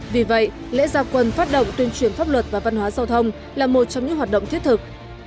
vì vậy lễ gia quân phát động tuyên truyền pháp luật và văn hóa giao thông là một trong những hoạt động thiết thực